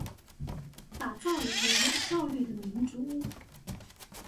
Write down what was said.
打造一個有效率的民主